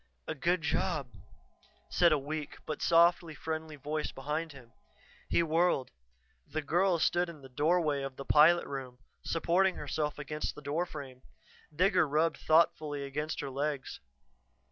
"A good job," said a weak, but softly friendly voice behind him. He whirled. The girl stood in the doorway of the pilot room, supporting herself against the door frame. Digger rubbed thoughtfully against her legs.